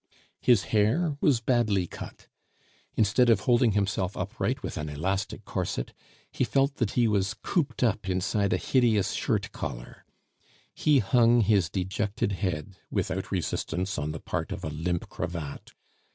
His hair was badly cut. Instead of holding himself upright with an elastic corset, he felt that he was cooped up inside a hideous shirt collar; he hung his dejected head without resistance on the part of a limp cravat.